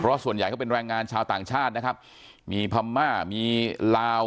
เพราะส่วนใหญ่เขาเป็นแรงงานชาวต่างชาตินะครับมีพม่ามีลาว